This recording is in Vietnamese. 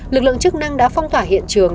lực lượng chức năng đã phong tỏa hiện trường